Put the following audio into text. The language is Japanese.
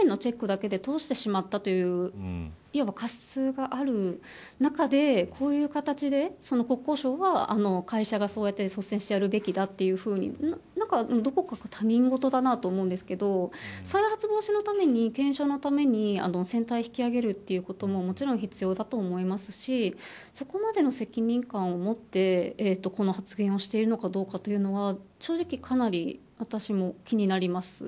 そして、国交省がその検査を書面のチェックだけで通してしまったといういわば過失がある中でこういう形で、国交省が会社が率先してやるべきだというふうにどこか他人事だなと思うんですけど再発防止のために、検証のために船体を引き揚げるということももちろん必要だと思いますしそこまでの責任感を持ってこの発言をしているのかどうかというのは正直かなり、私も気になります。